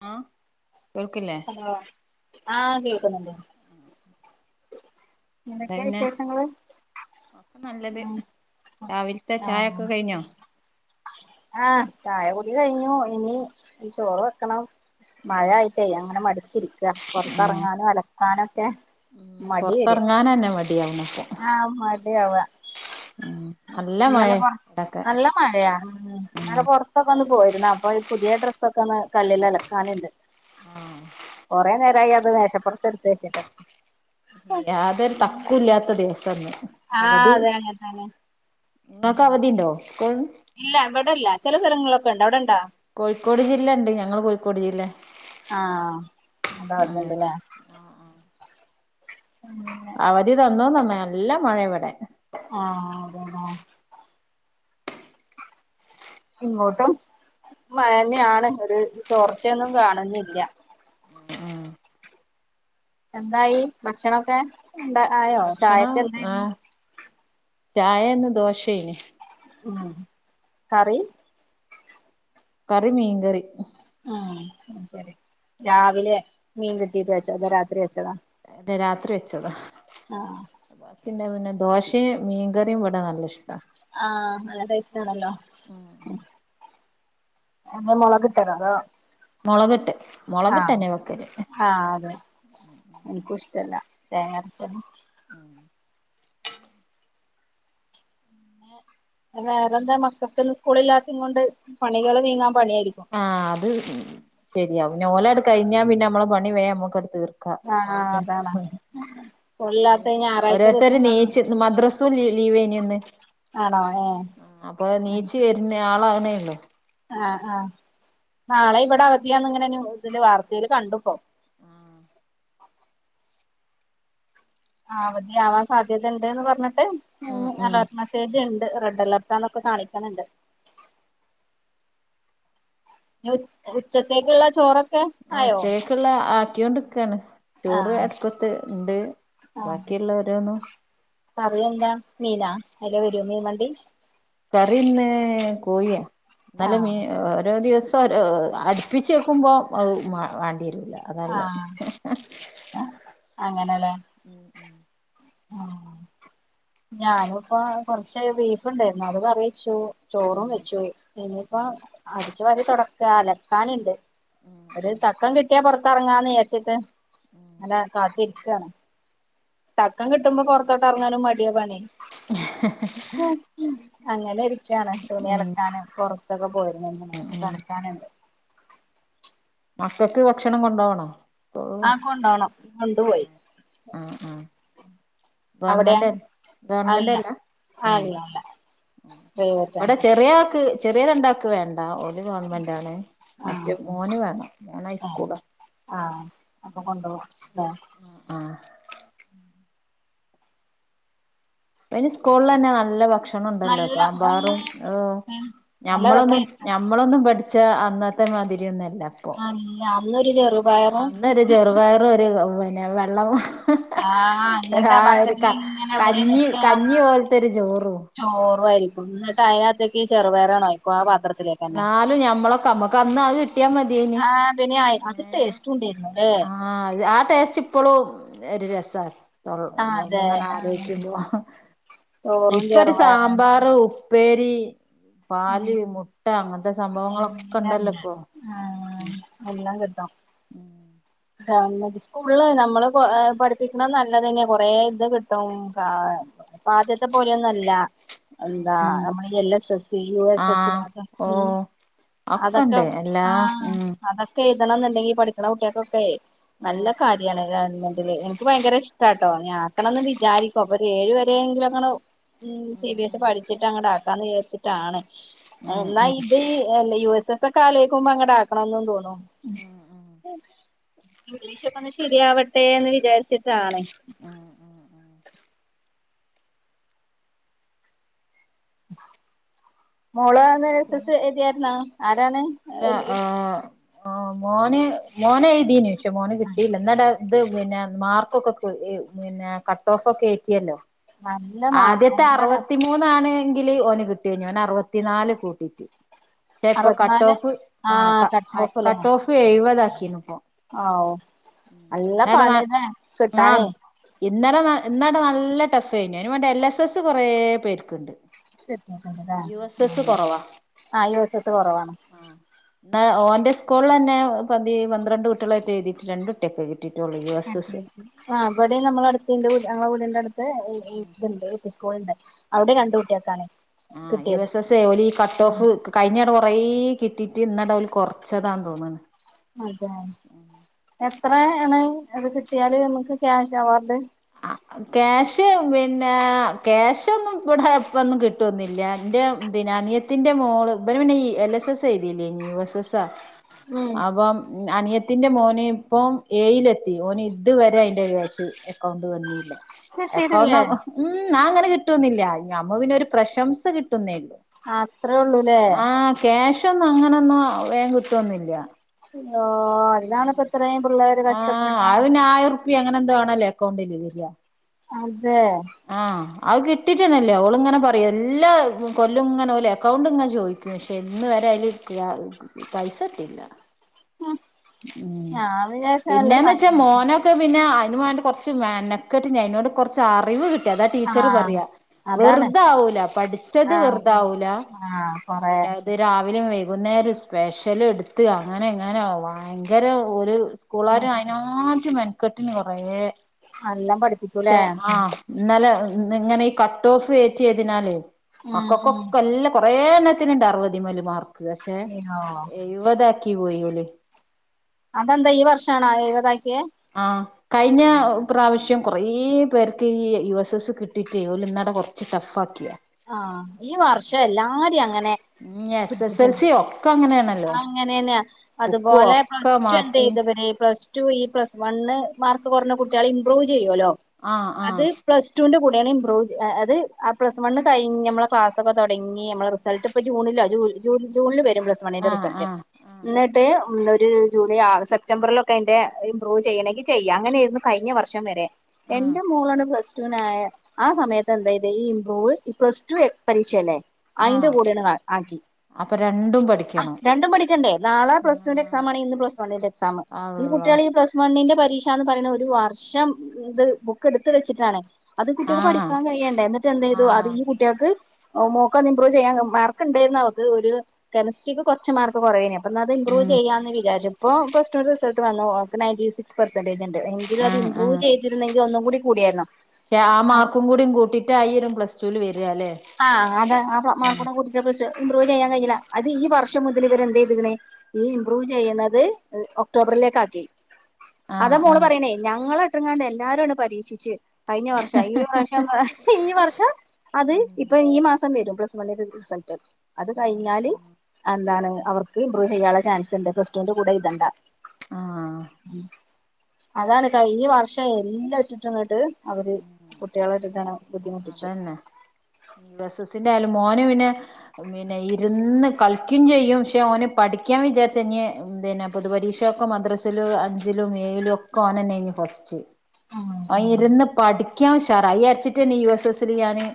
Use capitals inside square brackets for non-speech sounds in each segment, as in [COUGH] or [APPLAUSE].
ആ ഹലോ ആ കേൾക്കുന്നുണ്ട് എന്താ എന്തൊക്കെയാ പിന്നെ വിശേഷങ്ങള് ഒക്കെ നല്ലത് ഉം രാവിലത്തെ ചായൊക്കെ കഴിഞ്ഞോ ആ ചായ കുടി കഴിഞ്ഞു ഇനി ചോറ് വെക്കണം മഴ ഉം ആയിട്ടേ അങ്ങനെ മടിച്ചിരിക്ക്യാ പൊറത്തിറങ്ങാനും അലക്കാനൊക്കെ ഉം മടി വര്യാ പൊറത്തിറങ്ങാനന്നെ മടിയാവുന്നുപ്പൊ ആ മടിയാവാ ഉം നല്ല ഇന്നലെ മഴയ പൊറ ഇവിടൊക്കെ നല്ല മഴയാ ഉം ഇന്നലെ പൊ റത്തൊക്കെ ഒന്ന് പോയിരുന്നു അപ്പൊ ഈ പുതിയ ഡ്രസ്സ് ക്കെ കല്ലിലലക്കാനിണ്ട് കൊറേ നേരായാ പ്പ് മേഷപ്പുറത്തെ എടുത്ത് വച്ചിട്ട് യാതൊരു തക്കും ഇല്ലാത്ത ദിവസാന്ന് ആ അതെ അങ്ങനെതന്നെ ങ്ങക്ക് അവധിണ്ടോ കോളിൻ ഇല്ല ഇവിടെ ഇല്ല ചില സ്ഥലങ്ങളൊക്കെ ണ്ട് അവിടെ ണ്ടോ കോഴിക്കോട് ജില്ല ണ്ട് ഞങ്ങൾ കോഴിക്കോട് ജില്ലേ ആ അതണ്ട്ല്ലേ ആഹ് ആഹ് അവധി തന്നോന്നന്ന നല്ല മഴേ ഇവടെ ആഹ് അതെല്ലേ ഇങ്ങോട്ടും മഴേന്നാണ് ഒരു ചോർച്ചയൊ ന്നും കാണുന്നില്ല ഉം എന്തായി ഭക്ഷണൊക്കെ എന്താ ആയോ ചായക്ക് എന്തേരുന്നു ചായായിന്ന് ദോശയേനി കറി കറി മീൻങ്കറി ആ ശരി രാവിലെ മീൻ കിട്ടീട്ട് വെച്ചോ അതോ രാത്രി വെച്ചോ ല്ല രാത്രി വെച്ചതാ ആഹ് പന്നെ പിന്നെ ദോശയും മീൻകറിയും ഇവിടെ നല്ല ഇഷ്ടാ ആ നല്ല ടെസ്റ്റാണല്ലോ അല്ലാ മുളക് ഇട്ടതോ അതോ മുളക് ട്ട് മൊളകിട്ടന്നെ വെക്കല് ൻക്കൂ ഇഷ്ടല്ല തേങ്ങരച്ചത് വേറെ എന്താ മക്കക്ക്ന്ന് സ് സ്കൂളില്ലാത്ത കൊണ്ട് പണികള് നീങ്ങാ ആഹ് അത് ശരിയാവും ഞ്ഞോലട്കഴിഞ്ഞാ പിന്ന നമ്മള പണി വേം നമ്മക്കട് തീർ ആഹ് അതാണ് കൊല്ലാത്ത ഞായറാഴ്ച ദിവസംങ്ങള ലീവ് ലീവേനി ഇന്ന് ആ അപ്പൊ ഏഹ് നീച്ചി വര്ന്ന് ആളെ ന്നേള്ളൂ ആഹ് ആഹ് നാളെ ഇവിടെ അവധിയാന്ന് ഇങ്ങനെ ഇതിന്റെ വാർത്തേൽ കണ്ടുപ്പോ ആ അവധി ആവാൻ സാധ്യത ഉണ്ട്ന്ന് പറഞ്ഞ് ഉം ഉം അലേർട്ട് മെസേജ് ഇണ്ട് റെഡ് അലേർട്ടാന്നൊക്കെ കാണി കണ് ണ്ട് ഉച്ചത്തേക്കുള്ള ചോറൊ ആ ഉച്ചയെക്കുള്ള ആക്കിയൊണ്ട് കാണ് ചോറു ആഹ് അടുപ്പത്ത് ഉണ്ട് ബാക്കിയുള്ള രോന്നു പറയ എന്താ മീനാ അയിലെ വരൂ മീൻ വണ്ടി കറിന്ന് കോഴിയ നല്ല ആഹ് മീൻ മ് ഓരോ ദിവസ അടുപ്പിച്ച വെക്കുമ്പോൾ അഹ് മ വേണ്ടി വരും ആ അങ്ങനെല്ലേ ഉം ആ ഞാന ഇപ്പൊ കൊറച്ച് ബീഫ് ണ്ടായിരുന്നു അത് കറിവച്ചു ചോറും ഉം വെച്ചു പോയി ഇനിയിപ്പ അ [UNINTELLIGIBLE] തുടക്ക അലക്കാനുണ്ട് ഉം അത് തക്കം കിട്ടിയാ പുറ കറങ്ങാന്ന് രിച്ചിട്ട് അല്ല കാത്തിരിക്ക ഇക്കാണ് തക്കം കിട്ടുമ്പോ പുറത്തോട്ട് ഇറങ്ങാനും മടിയ പണി അങ്ങനെ ഇരിക്കാണ് ഉം തുണി അളക്കാന് പുറത്തൊക്കെ പോയിരുന്നു എ ഉം കളക്കാനുണ്ട് മക്കക്ക് ഭക്ഷണം കൊണ്ടോണോ ആ കൊണ്ടോണം കൊണ്ടു പോയി ആഹ് ആഹ് ഗവൺമെന്റ് ഗവമെന്റ്ല്ല എ അല്ല അല്ല ഇവിടെ പ്രൈവറ്റാണ് ചെറിയ ആക്ക് ചെറിയ രണ്ടാക്ക് വേണ്ട ഒ ഒൽ ഗവൺമെന്റ് ആണ് ആഹ് മറ്റും ഓന് വേണം ആഹ് ഹൈസ്കൂള ആഹ് അപ്പൊ കൊണ്ടോവും ല്ലേ അയിൻ സ്കൂൾ അന്നെ നല്ല ഭക്ഷണം ഭക്ഷണ്ടല്ലോ നല്ല ഉം സാമ്പാറും ഒ ഉം നല്ല നമ്മളൊന്നും രസേര്ന്നു ഞമ്മളൊന്നും പഠി പക്ഷെ അന്നത്തെമാതിരി ന്നുല്ല അല്ല [UNINTELLIGIBLE] അന്നരു ചെറുപയറും ഒരു [UNINTELLIGIBLE] പിന്നെ വെള്ളം ഹ ആഹ് ഹ ഹ് എന്നിട്ട് ആ ഒരു ബക്കറ്റില് ക ഇങ്ങനെ വരെ കഞ്ഞി നിക്കാ കഞ്ഞി പോലത്തെരു ചോറും ചോറും എന്നിട്ട് അയാത്തക്ക് ചെറു പയ് റ് ഉ നാലും ഞമ്മളൊക്കെ നമ്മക്ക് അന്ന് അത് കിട്ടിയാ മതിയേന് ആഹ് പിന്നെ ഏ അത് ടേസ്റ്റും ഉണ്ടായിരുന്നു ല്ലേ ആ അ ആ ടേസ്റ്റ് ഇപ്പോളും എ രസാ ആഹ് [UNINTELLIGIBLE] അതെ അങ്ങനെ ആഹ് ആലോചിക്കുമ്പോ ചോറും ഇപ്പൊ ഒരു ചെറുപയറും സാമ്പാറ് ഉ പ്പേരി ഉം പാല്, മുട്ട അങ്ങനത്തെ എല്ലാം സംഭവങ്ങളൊക്കെണ്ടല്ലോ ഉണ്ട് ഇപ്പൊ ട്ടും ഉം ഗവൺമെന്റ് സ്കൂള് നമ്മള് പഠിപ്പിക്കണം നല്ലതന്നെ കൊറെേ ഇത് കിട്ടും ഇപ്പം ആദ്യത്തെ പോലെയൊന്നല്ല എന്താ ഉം നമ്മള് L S S, U S S ആഹ് അതൊ ഓ അതൊക്കെ ഒക്കെണ്ട് ഉം എല്ലാ ആ ഉം അതൊക്കെ പഠിക്കണന്നുണ്ടെങ്കി പഠിക്കണ കുട്ട്യാക്കൊക്കെ ഓ നല്ല കാര്യാണ് ഗവൺമെന്റില് എനിക്ക് ഭയങ്കര ഇഷ്ട ട്ടോ ഞാൻ ആക്കണന്ന് വിചാരിക്കും അപ്പൊ ഒരു ഏഴ് വരെയങ്കിലും അങ്ങനെ ഉം സി ബി എസ് സി പഠിച്ചിട്ട് അങ്ങട്ട് ആ ക്കാന്ന് വിചാരിച്ചിട്ടാണ് ഉം എന്നാ ഉം ഉം ഇത് എല്ല യു എസ് എസ് ക്കെ ആലോയ്ക്കുമ്പോ അങ്ങട് ആക്കണോന്നും തോന്നും ഉം ഉം ഇംഗ്ലീഷൊക്കെ ഒന്ന് ശരിയാവട്ടെ എന്ന് വിചാരിച്ചി ആഹ് ഹ ഹ [INAUDIBLE] മോള് എസ് എസ് പിന്നെ സി എഴുതിയായിരുന്നോ ആരാണ് ഇല്ല ആഹ് [UNINTELLIGIBLE] ആഹ് മോന് മോന് എഴുതിനു പക്ഷെ മോന് കിട്ടിയില്ല എന്നാ- അത് പിന്നെ മാർക്കൊക്കെ പിന്നെ കട്ട് ഓഫ് ഒക്കെ യെറ്റിയല്ലോ നല്ല മാർക്ക് ആദ്യത്തെ നല്ല അറുപത്തി മൂന്നാണ് ങ്കില് ഓന് കിട്ടി കഴിഞ്ഞുൻ അറുപത്തി നാല് കൂട്ടീട്ട് പക്ഷെ ഇപ്പ കട്ട് അറുപത്തിനാല് ഓഫ് ആ കട്ട് ഓഫ്ല്ലേ കട്ട് ഓഫ് എഴുപതാ യിനിപ്പോ ഓഹ് എന്നട നാ കിട്ടാനേ ആഹ് ഇന്നട ന [UNINTELLIGIBLE] എന്നാട നല്ല ടഫ് ആയിനു അയ്ന് വേണ്ടി എൽ. എസ്. എസ് കുറെ പേർക്ക്ണ്ട് [UNINTELLIGIBLE] ആഹ് യു എസ് എസ് കൊറവാണ് ആ [UNINTELLIGIBLE] ഓന്റെ സ്കൂളിൽ തന്നെ പന്തി പന്ത്രണ്ട് കുട്ടികളൊക്കെ എഴുതീ രണ്ട് കുട്ട്യക്ക് കി [UNINTELLIGIBLE] ആഹ് ഇവിടെം നമ്മളെ അടുത്ത് എന്റെ വിട് നമ്മടെ വീടിന്റെടു [UNINTELLIGIBLE] ഇ ഇതുണ്ട് [UNINTELLIGIBLE] [UNINTELLIGIBLE] മ്ഹ് കുട്ടികൾക്കാണ് ആഹ് യു കിട്ടിയത് എസ് എസ് ഓലി കട്ട് ആ ഓഫ് ക കഴിഞ്ഞങ്ങട് കൊറെ കിട്ടിട്ട് [UNINTELLIGIBLE] ഓല് കുറച്ചതാന്ന് തൊന്നുന്ന് അതെ. എത്രേണ് അത് കിട്ടിയാല് നമുക്ക് ക്യാഷ് അവാർഡ്. ആഹ് ക്യാഷ് പിന്നെ ക്യാഷ് ഒന്നും ഇവിടെ ഒന്നും കിട്ടുവന്നില്ല എന്റെ അനിയത്തിന്റെ മോള് ഇവന് പിന്നെ എൽ. എസ്. എസ് എഴുതിയില്ലേ യു. എസ്. എസ് ആ ഉം അപം അനിയത്തിന്റെ മോന് ഇപ്പോം എയിലെത്തി ഓന് ഇത് വരെ അതിന്റെ ഒരു കാശു ഇല്ല അക്കൗണ്ട് വന്നിയില്ല എക്കൗണ്ട് കിട്ടിട്ടില്ലേ മ്മ് നാൻ അങ്ങനെ കിട്ട [UNINTELLIGIBLE] നമ്മ പിന്നെ ഒരു പ്രശംസ കി അത്രേ ഉള്ളൂല്ലേ. [UNINTELLIGIBLE] അങ്ങനൊന്നും വേഗം കിട്ടുവൊന്നൂല്ല ഓഹ് അതിനാണ്പ്പ ഇത്രയും പിള്ളേര് ആഹ് കഷ്ടപ്പെട്ട അയിന് ആയിരം റുപ്യ എങ്ങനെ എന്തോ ആണല്ലേ അക്കൗണ്ടിൽ വരിക ആഹ് അതേ ആ കിട്ടിട്ടണല്ലേ ഓളിങ്ങനെ പറയും എല്ലാ കൊല്ലും ഇങ്ങനെ പോലെ അക്കൗണ്ട് ഇങ്ങെ ചോദിക്കും പക്ഷെ ഇന്ന് വരെ അതില് പൈസ ഇട്ടില്ല ഞാൻ വിചാരിച്ച നല്ല പിന്നെന്ന് വെച്ചാ സംഖ്യ മോനൊക്കെ പിന്നെ അതിന് വേണ്ടി കുറച്ച് മനക്കെട്ട് അതിനോട് കുറച്ച് അറിവ് കിട്ടി അതാ ടീച്ചർ ആഹ് പറയാ അതാണ് വെറുത ആവൂല പഠിച്ചത് ആഹ് വെറുത ആവൂല ആഹ് കൊറെ പിന്നെത് രാവിലെ വൈകിട്ട് വൈകുന്നേരം ഒരു സ്പെഷ്യല് എടുത്ത് അങ്ങനെ ഇങ്ങനെ ഭയങ്കര ഒരു ഉം സ്കൂളാരും അതിനാ മെനെക്കെട്ടിന് കുറേ [UNINTELLIGIBLE] ശെ പഠിപ്പിക്കൂലേ ആഹ് ഇന്നലെ നിങ്ങനെ ഈ കട്ട് ഓഫ് കയറ്റിയതിനാൽ ഉം ഉം ഒക്കൊക്കൊക്ക എല്ലാം കൊ റെഎണത്തിനുണ്ട് അറുവധതി മല മാറ് അയ്യോ [UNINTELLIGIBLE] [UNINTELLIGIBLE] അതെന്താ ഈ വർഷണഴുതായി ആഹ് കഴിഞ്ഞ പ്രാവശ്യം കുറേ പേർക്ക് ഈ യു എസ് എസ് കിട്ടിയിട്ടേഓല ഇന്നാടെ കുറച്ച് ടഫ് ആ ആഹ് ഈ വർഷം എല്ലാരിം അങ്ങനെ എസ് എസ് എൽ സി ഒക്കെ അങ്ങനെയാണ് ആഹ് അങ്ങനെ തന്നെയ അതുപോലെ പ്ലസ് ടു എന്ത മാറ്റി ചെയ്തുവരെ പ്ലസ്ടു ഈ പ്ലസ് വണ് മാർക്ക് കുറഞ്ഞ കുട്ടികൾ ഇപ്രൂവ് [UNINTELLIGIBLE] ചെയ്യുലോ ആഹ് അത് ആഹ് പ്ലസ്ടു ൻ്റെ കു [UNINTELLIGIBLE] ഇപ്രൂവ് അത് ആ പ്ലസ് വൺ കഴിഞ്ഞ നമ്മള ക്ലാസൊക്കെടങ്ങി നമ്മ റിസൾട്ട്പ്പ ജൂണില ജൂണിൽ വരുമ്പ മണിടെ ആഹ് റിസൾട്ട് ആഹ് ആഹ് എന്നിട്ട് [UNINTELLIGIBLE] ഒരു ജൂലൈ ആ സെപ്റ്റംബറിലൊക്കെ അതിന്റെ ഇമ്പ്രൂവ് ചെയ്യണമെങ്കിൽ ചെയ്യാം അങ്ങനെെയയിരുന്നു കഴിഞ്ഞ വർഷം വരെ ആഹ് എന്റെ മോളാണ് പ്ലസ് [UNINTELLIGIBLE] ആ സമയത്ത് എന്തായത് ഈ ഇംമ്പ്രൂവ് ഈ പ്ലസ് ടു പരീക്ഷ അല്ലേ അയിൻ്റെ ആഹ് കൂടെയാണ് ആ ആകി അപ്പൊ രണ്ടും പഠിക്കണം രണ്ടും പഠിക്കണ്ട നാളെ പ്ലസ് ടുവിന്റെ ആഹ് എക്സാം ആ ഇന്ന് പ്ലസ് വണിന്റെ എക്സാം ഇന്ന് അള്ളാ കുട്ടികള ഈ പ്ലസ് വണ്ണിന്റെ പ രീഷന്ന് പറയണ ഒരു വർഷം ഇത് ബുക്ക് എടുത്ത് വെച്ചിട്ടാണ് അത് കുട്ടികൾക്ക് ആഹ് പഠിക്കാൻ കഴിയേണ്ട എന്നിട്ട് എന്ത ചെയ്തു അത് ആഹ് ഈ കുട്ടികൾക്ക് ഓ മോക്കന്ന് ഇമ്പ്രൂവ് ചെയ്യാൻ മാർക്ക്ണ്ടായിരുന്നവക്ക് ഒരു കെമിസ്ട്രിക്ക് കുറച്ച് മാർക്ക് കൊറെയേനെ അല്ലാതെ ഇമ്പ്രൂവ് ഉം ചെയ്യാന്ന് [UNINTELLIGIBLE] ഇപ്പോ പ്ലസ്ടുന്റെ റിസൾട്ട് വന്നു ഓക്ക് നയൻ്റി സിക്സ് പേ [UNINTELLIGIBLE] എങ്കിലും അത് ഇമ്പ്രൂവ് ചെയ്തിരുന്ന ഇതെല്ലംകുടി കൂടിയേന് രാ ആ മാർക്കും കൂടി കൂട്ടിട്ട് ആയിരം പ്ലസ് [UNINTELLIGIBLE] ആഹ് അതെ ആ മാർക്കോടെ കൂട്ടിട്ട [UNINTELLIGIBLE] ഇമ്പ്രൂവ് ചെയ്യാൻ കഴിഞ്ഞില അത് ഈ വർ ഷം മുതൽ ഇവരെന്തെയ്ത്ക്ക്ണ് ഈ ഇംപ്രൂവ് ചെയ്യുന്നത് ഒക്ടോബറിലേക്ക് ആക്കി അതാ ആഹ് മോള് ആഹ് പറയണേ ഞങ്ങള ട്ട്ങ്ങാണ്ട് എല്ലാരു ആണ്ട് പരീക്ഷിച്ച് കഴിഞ്ഞ വർഷം ഈ വർഷം ഈ വർഷം അത് ഈ മാസം വരും പ്ലസ് വണ്ണിന്റെ റിസൾട്ട് അത് ആഹ് കഴിഞ്ഞാല് എന്താണ് അവർക്ക് ഇമ്പ്രൂവു ചെയ്യാനുള്ള ചാൻസ് ഉണ്ട് പ്ലസ്റ്റുറ്റുന്റെ കൂടെ എഴ്തണ്ടാ [INAUDIBLE] ആഹ് ആഹ് അതാണ് കഴിഞ്ഞ വർഷം എല്ലാം ഇട്ടിട്ടുംങ്ങിട്ട് അവര് കുട്ടികളര്താണ് ബുദ്ധിമുട്ടിച്ചു അതന്നെ യു എസ് എസിന്റെ ആയാലും മോന് പിന്നെ പിന്നെ ഇരുന്ന് കളിക്കും ചെയ്യും ക്ഷെ ഓന് പഠിക്കാൻ വിചാരിച്ചഞ്ഞ് പിന്നെ പൊതുപരീക്ഷൊക്കെ മദ്രസിലും അഞ്ചിലും ഏഴിലും ഒക്കെ ഓനെന്നെ ഇഞ് ഫസ്റ്റ് ഉം ആ ഉം ഇര്ന്ന് അിക്കാംഷറായി അരച്ചിട്ടല്ലേ യു എസ് എസ്സിൽ ഞാന്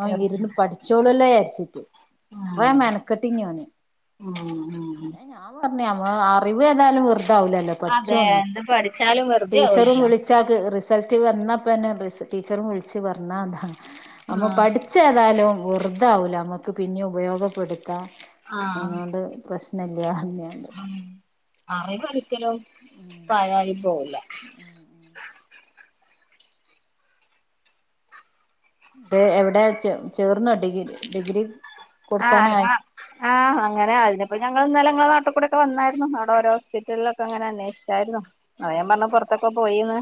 ആ ഇരുന്ന് ചേർത്തില്ല പഠിച്ചോളല്ലേ [UNINTELLIGIBLE] ഒന് ഉം മനക്കട്ടിഞ്ഞോന് ഉം ഉം ഞാൻ പറ അവ അറിവ് ഏതാലും വെർ താഉലല്ലോ അതെ പഠിച്ചുന്നു എന്ത് പഠിച്ചാലും വെറുതെ ടീച്ചറും ആവൂലല്ലോ വിളിച്ചാ റിസൾട്ട് വന്ന ഇപ്പം എന്നെ ബസ്സി ടീച്ചറും വിളച്ച് പറഞ്ഞ അതാണ് അമ്മ ആഹ് പഠിച്ച ഏതാലും വറുതാവില്ല നമുക്ക് പിന്നിം ഉപയോഗപ്പെടും ആഹ് [UNINTELLIGIBLE] പ്രശ് [UNINTELLIGIBLE] ക്കലും പാഴായി പോവുല്ല ഉ ഉ എവിടെ ച ചേർന്നോ ഡിഗ്രി ഡിഗ്രി ആ കൊടുക്കാനായി ആ് അങ്ങനെ അതിനപ്പ ഞങ്ങള്ന്നലേ ങ്ങളെ നാട്ട് കൂടെക്കെ വന്നായിരുന്നു അവിടെ ഓരോസ്പിറ്റൽലൊക്കെ അങ്ങനെ അന്വേഷിച്ചായിരുന്നു അ ഞൻ പറഞ്ഞ പുറത്ത് - ഇപ്പ പോയിന്ന്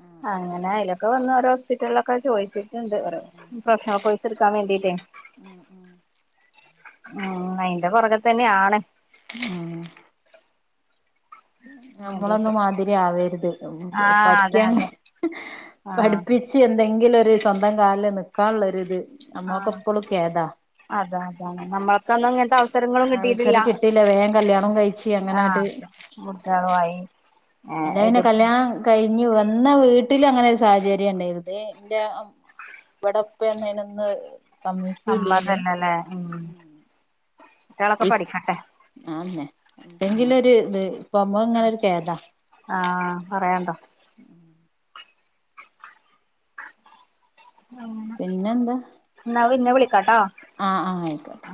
ഉം അങ്ങനെയാലേ ഇവിടെ വന്ന് ഒരൊസ്പിറ്റൽലക്കെ ചോയിച്ചു ണ്ട് കൊറെ പ്രൊഫഷണൽ കോഴ്സ് എടുക്കാൻ വേണ്ടിട്ടേ ഉം ഉം ഉം അയിന്റെ പുറകെ തന്നെയാണ് [UNINTELLIGIBLE] വേണ്ടീട്ട് നമ്മളൊന്നും മാതിരി ആവരുത് ആഹ് അതെ പഠിക്കാൻ അതെ ആഹ് പഠിപ്പിച്ച് എന്തെങ്കിലും സ്വന്തം കാലില് നിൽക്കാനുള്ളൊരി ഇത് ആ അതെ അതെ നമ്മൾക്കൊന്നും ഇങ്ങനത്തെ അവസരങ്ങളും കിട്ടിട്ടില്ല അവസരം കിട്ടിയില്ല വേഗം കല്യാണം കഴിച്ച് ആ കല്യാണോവായി എന്റെ പിന്നെ കല്യാണം കഴിഞ്ഞ് വന്ന വീട്ട വീട്ടില് അങ്ങനൊരു സാഹചര്യം ഉണ്ടായിർന്നു എറെ ഇവിടെപ്പ വന്നിണ് നമ്മൾ തന്നേയല്ലേ ഉം കുട്ടികളൊക്കെ ഇപ്പ് പഠിക്കട്ടെ ആന്നെ എന്തെങ്കിലൊരു ഇത് ഇപ്പൊ അമ്മ ഇങ്ങനെ ഒരു ഖേദാ ആഹ് പറയാണ്ടോ ആ എന്നാ പിന്നെ വിളി ആ ആ ആയിക്കോട്ടെ